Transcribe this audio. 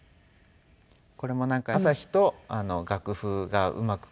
これもなんか朝日と楽譜がうまく